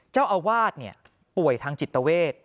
เจ้าอาวาสป่วยทางจิตเวท